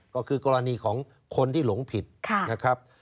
ก็คือกรณีของคนที่หลงผิดนะครับ